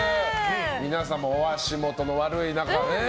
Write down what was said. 皆さんもお足元の悪い中ね。